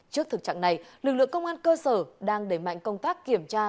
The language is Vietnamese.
trước thực trạng này lực lượng công an cơ sở đang đẩy mạnh công tác kiểm tra